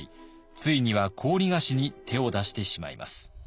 ついには高利貸しに手を出してしまいます。